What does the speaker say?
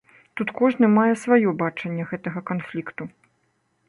Тут кожны мае сваё бачанне гэтага канфлікту.